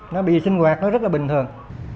nó bị sinh hoạt nó rất là bình thường